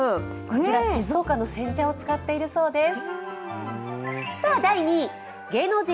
こちら静岡の煎茶を使っているそうです。